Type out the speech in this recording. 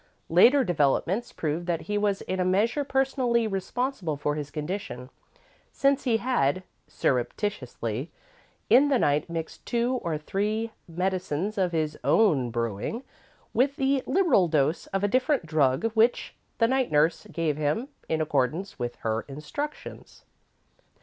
Later developements proved that he was in a measure personally responsible for his condition, since he had, surreptitiously, in the night, mixed two or three medicines of his own brewing with the liberal dose of a different drug which the night nurse gave him, in accordance with her instructions.